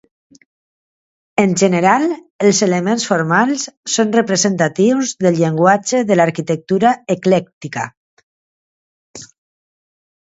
En general els elements formals són representatius del llenguatge de l'arquitectura eclèctica.